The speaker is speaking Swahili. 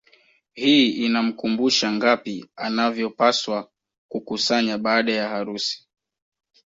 Hii inamkumbusha ngapi anavyopaswa kukusanya baada ya harusi